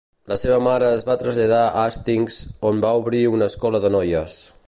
La seva mare es va traslladar a Hastings on va obrir una escola de noies.